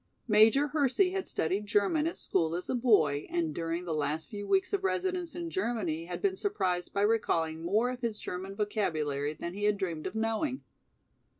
Major Hersey had studied German at school as a boy and during the last few weeks of residence in Germany had been surprised by recalling more of his German vocabulary than he had dreamed of knowing.